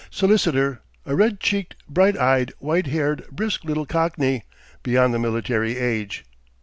solicitor, a red cheeked, bright eyed, white haired, brisk little Cockney, beyond the military age.